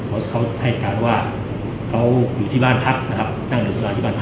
ออกมาให้รู้ว่าที่บ้านภักดิ์นั่งหยุดสุราหิบัน